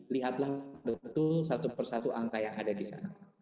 lihatlah betul satu persatu angka yang ada di sana